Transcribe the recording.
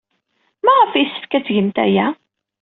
Maɣef ay yessefk ad tgemt aya?